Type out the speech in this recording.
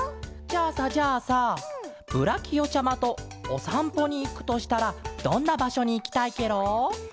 じゃあさじゃあさブラキオちゃまとおさんぽにいくとしたらどんなばしょにいきたいケロ？